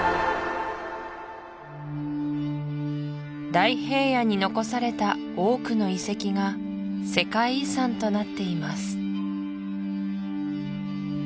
大平野に残された多くの遺跡が世界遺産となっています